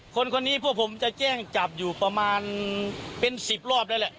คนคนนี้พวกผมจะแจ้งจับอยู่ประมาณเป็น๑๐รอบแล้วแหละ